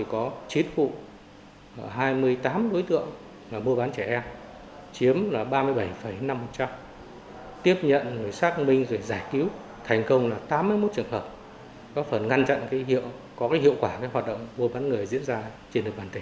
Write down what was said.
có phần ngăn chặn hiệu quả hoạt động mua bán người diễn ra trên đường bàn tỉnh